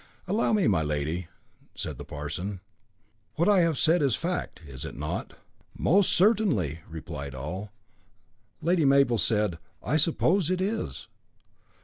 "Allow me, my lady," said the parson. "What I have said is fact, is it not?" "Most certainly," replied all. Lady Mabel said: "I suppose it is."